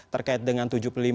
terkait dengan tujuh puluh lima